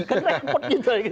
kan repot gitu